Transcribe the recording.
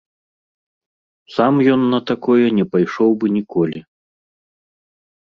Сам ён на такое не пайшоў бы ніколі.